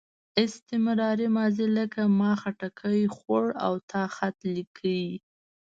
استمراري ماضي لکه ما خټکی خوړ او تا خط لیکه.